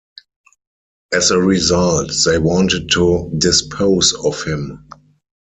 As a result, they wanted to dispose of him.